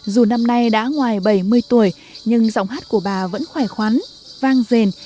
dù năm nay đã ngoài bảy mươi tuổi nhưng giọng hát của bà vẫn khỏe khoắn vang rền